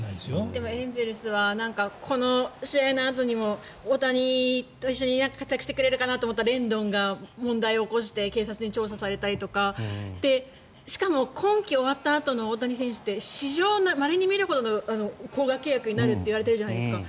でもエンゼルスはこの試合のあとにも大谷と一緒に活躍してくれると思ったレンドンが問題を起こして警察に調査されたりとかしかも、今季が終わったあとの大谷選手って史上まれに見るほどの高額契約になるといわれているじゃないですか。